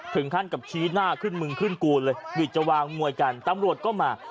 ถึงขั้นกับชี้หน้าขึ้นมึงขึ้นกูเลยวิทย์จะวางมวยกันตำรวจก็มา